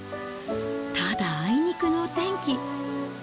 ただ、あいにくの天気。